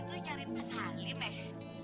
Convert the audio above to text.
situ ikarin pak salim eh